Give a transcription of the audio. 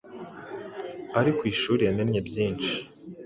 Ari ku ishuri yamenye byinshi